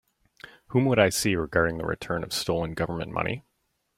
Whom would I see regarding the return of stolen Government money?